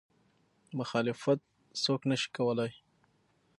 مخالفت څوک نه شي کولی.